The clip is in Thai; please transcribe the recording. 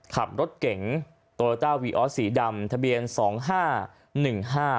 ขับรถเก๋งโตโยต้าวีออสสีดำทะเบียนสองห้าหนึ่งห้า